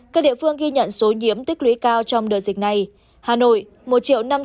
các địa phương ghi nhận số nhiễm tích lũy cao trong đợt dịch này